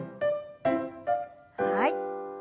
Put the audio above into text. はい。